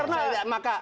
ini kan karena